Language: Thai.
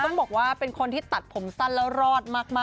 ต้องบอกว่าเป็นคนที่ตัดผมสั้นแล้วรอดมาก